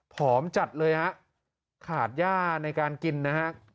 พอมจัดเลยครับขาดยาในการกินนะครับ